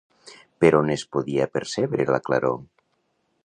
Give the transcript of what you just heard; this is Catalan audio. Per on es podia percebre la claror?